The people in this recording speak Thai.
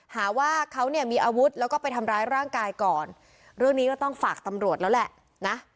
หาว่าเขาเนี่ยมีอาวุธแล้วก็ไปทำร้ายร่างกายก่อนเรื่องนี้ก็ต้องฝากตำรวจแล้วแหละนะ